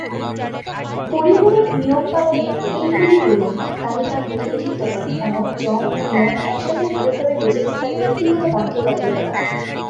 পরিপূরক নিয়ম পালনের "এইগুলি করুন" তালিকার প্রতিনিধিত্ব করে এবং যম ও নিয়ম একসাথে ভালভাবে বেঁচে থাকার ব্যক্তিগত বাধ্যবাধকতা।